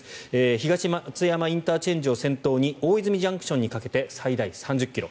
東松山ＩＣを先頭に大泉ＪＣＴにかけて最大３０ｋｍ。